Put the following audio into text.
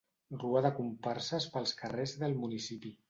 Rua de comparses pels carrers del municipi.